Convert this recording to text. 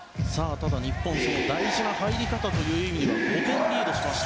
ただ、日本大事な入り方という意味では５点リードしました。